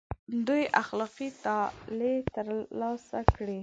دوی اخلاقي تعالي تر لاسه کړي.